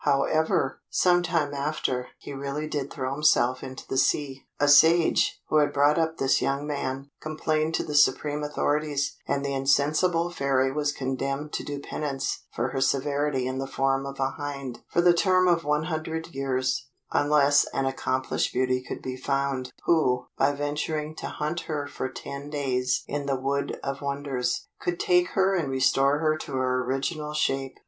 However, some time after, he really did throw himself into the sea. A sage, who had brought up this young man, complained to the supreme authorities, and the insensible Fairy was condemned to do penance for her severity in the form of a hind, for the term of one hundred years, unless an accomplished beauty could be found, who, by venturing to hunt her for ten days in the Wood of Wonders, could take her and restore her to her original shape.